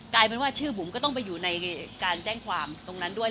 กลายเป็นว่าชื่อบุ๋มก็ต้องไปอยู่ในการแจ้งความตรงนั้นด้วย